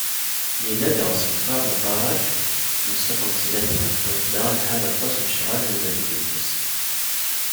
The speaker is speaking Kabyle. Yella diɣ usenfar n ubaraǧ n Ssuq n Ttlata, anda lḥan aṭas lecɣal n lebni-ines.